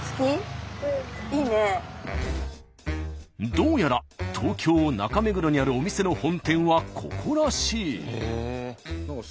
どうやら東京中目黒にあるお店の本店はここらしい。